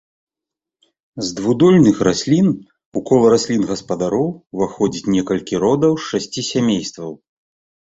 З двухдольных раслін у кола раслін-гаспадароў уваходзіць некалькі родаў з шасці сямействаў.